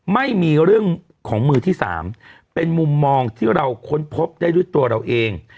ไม่มีเรื่องของมือที่๓เป็นมุมมองที่เราค้นพบได้ด้วยตัวเราเอง